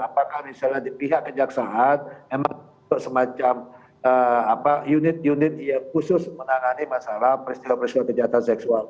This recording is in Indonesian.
apakah misalnya di pihak kejaksaan emang untuk semacam unit unit khusus menangani masalah peristiwa peristiwa kejahatan seksual